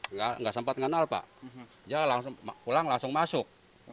enggak tidak sempat mengenal pak dia pulang langsung masuk